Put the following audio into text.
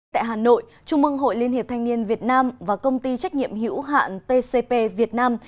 tại hà nội trung mương hội liên hiệp thanh niên việt nam và công ty trách nhiệm hữu hạn tcp việt nam